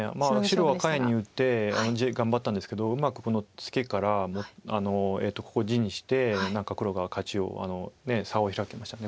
白は下辺に打って地合い頑張ったんですけどうまくこのツケからここ地にして何か黒が勝ちを差を開きました。